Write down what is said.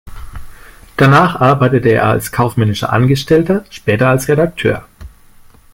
Danach arbeitete er als kaufmännischer Angestellter, später als Redakteur.